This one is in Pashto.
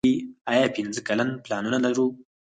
آیا پنځه کلن پلانونه لرو؟